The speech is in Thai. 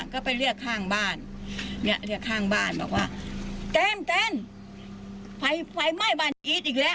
ก็ไปเรียกค่างบ้านเรียกค่างบ้านบอกว่าเต้นไฟไฟไม่บานกิทย์อีกแล้ว